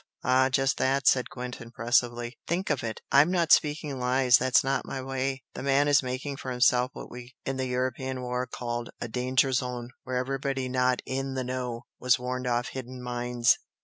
"Ah, just that!" said Gwent impressively "Think of it! I'm not speaking lies that's not my way. The man is making for himself what we in the European war called a 'danger zone,' where everybody not 'in the know' was warned off hidden mines.